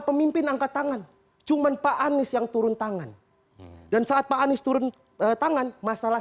pemimpin angkat tangan cuman pak anies yang turun tangan dan saat pak anies turun tangan masalah